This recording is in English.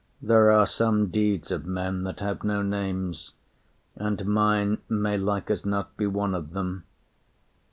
There are some deeds of men that have no names, And mine may like as not be one of them.